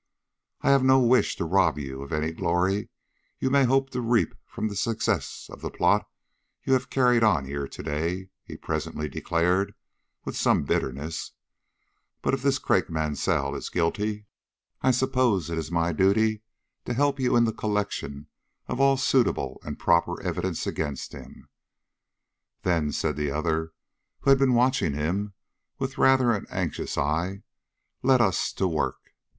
"I have no wish to rob you of any glory you may hope to reap from the success of the plot you have carried on here to day," he presently declared, with some bitterness; "but if this Craik Mansell is guilty, I suppose it is my duty to help you in the collection of all suitable and proper evidence against him." "Then," said the other, who had been watching him with rather an anxious eye, "let us to work."